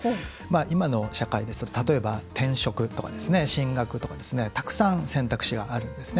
今の社会ですと例えば転職とか進学とかたくさん選択肢があるんですね。